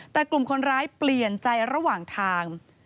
แต่กลุ่มคนร้ายเปลี่ยนใจระหว่างทาง